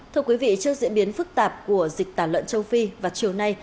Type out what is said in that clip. thưa quý vị trước diễn biến phức tạp của dịch tả lợn châu phi vào chiều nay